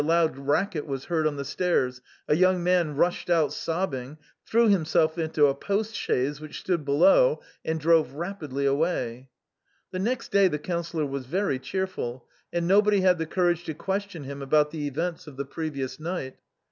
Suddenly a loud racket was heard on the stairs ; a young man rushed out sobbing, threw himself into a post chaise which stood below, and drove rapidly away. The next day the Councillor was very cheerful, and nobody had the courage to question him about the events of the previous night.